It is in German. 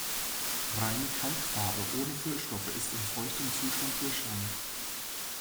Reine Kalkfarbe ohne Füllstoffe ist in feuchtem Zustand durchscheinend.